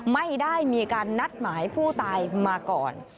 ไม่ได้มีการนัดหมายผู้ตายมาก่อน